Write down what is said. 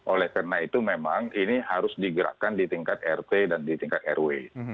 oleh karena itu memang ini harus digerakkan di tingkat rt dan di tingkat rw